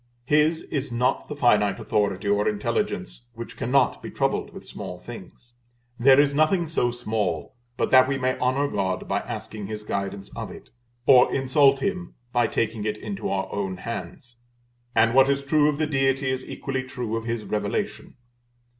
His is not the finite authority or intelligence which cannot be troubled with small things. There is nothing so small but that we may honor God by asking His guidance of it, or insult Him by taking it into our own hands; and what is true of the Deity is equally true of His Revelation.